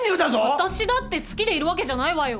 私だって好きでいるわけじゃないわよ！